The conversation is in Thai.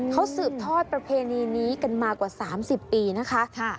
เขาสืบทอดประเพณีนี้กันมากว่า๓๐ปีนะคะ